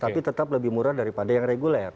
tapi tetap lebih murah daripada yang reguler